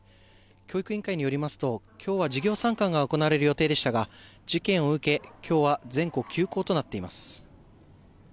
教育委員会によりますと、きょうは授業参観が行われる予定でしたが、事件を受け、きょうは全校休校となっています。